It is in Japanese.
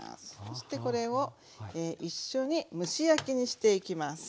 そしてこれを一緒に蒸し焼きにしていきます。